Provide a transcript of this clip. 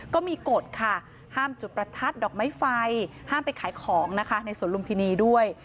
ก็มีกฎค่ะห้ามจุดประทัดดอกไม้ไฟห้ามไปขายของนะคะในสวนลุมพินีด้วย